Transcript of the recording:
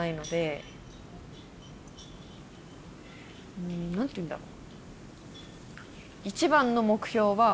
うん何て言うんだろう？